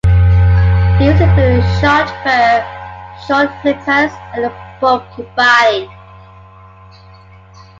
These include short fur, short flippers and a bulky body.